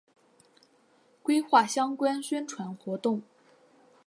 规划相关宣传活动